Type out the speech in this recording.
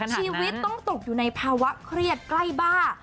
ชีวิตต้องตกอยู่ในภาวะเครียดใกล้บ้า